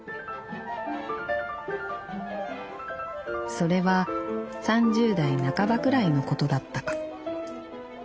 「それは３０代半ばくらいのことだったか。